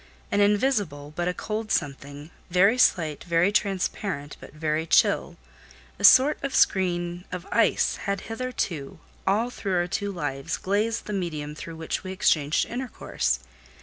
An invisible, but a cold something, very slight, very transparent, but very chill: a sort of screen of ice had hitherto, all through our two lives, glazed the medium through which we exchanged intercourse.